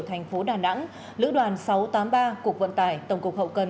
thành phố đà nẵng lữ đoàn sáu trăm tám mươi ba cục vận tải tổng cục hậu cần